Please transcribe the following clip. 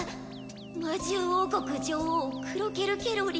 魔獣王国女王クロケル・ケロリ」。